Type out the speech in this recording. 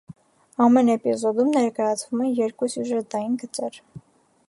Ամեն էպիզոդում ներկայացվում են երկու սյուժետային գծեր։